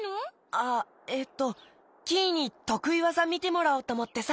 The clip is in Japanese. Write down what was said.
あえっとキイにとくいわざみてもらおうとおもってさ。